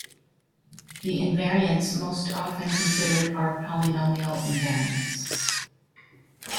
The invariants most often considered are "polynomial invariants".